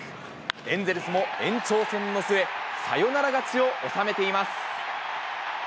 エンゼルスも延長戦の末、サヨナラ勝ちを収めています。